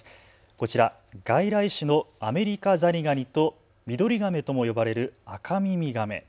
こちら、外来種のアメリカザリガニとミドリガメとも呼ばれるアカミミガメ。